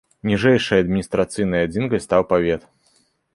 Ніжэйшай адміністрацыйнай адзінкай стаў павет.